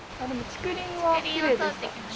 竹林を通ってきました。